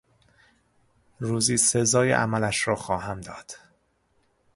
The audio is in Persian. روزی سزای عملش را خواهم داد.